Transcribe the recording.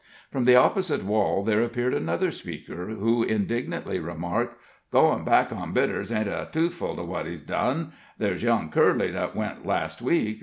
From the opposite wall there appeared another speaker, who indignantly remarked: "Goin' back on bitters ain't a toothful to what he's done. There's young Curly, that went last week.